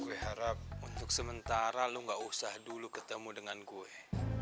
aku harap untuk sementara lo gak usah dulu ketemu dengan gue